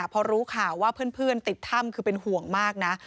พอรู้ข่าวว่าเพื่อนติดถ้ำคือเป็นห่วงมากนะ